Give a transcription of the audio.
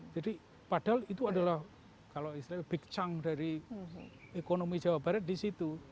jadi padahal itu adalah naik besar dari ekonomi jawa barat disitu